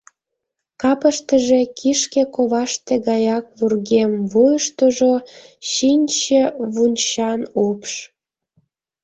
Капыштыже — кишке коваште гаяк вургем, вуйыштыжо — чинче-вунчан упш.